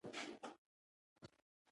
هغې د خوښ خوب په اړه خوږه موسکا هم وکړه.